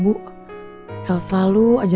ibu kayaknya suntuk banget